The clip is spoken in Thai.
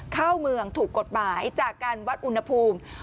เข้าเมืองถูกกฎหมายจากการวัดอุณหภูมิ